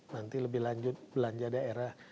nanti lebih lanjut belanja daerah